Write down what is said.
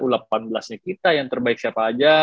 u delapan belas nya kita yang terbaik siapa aja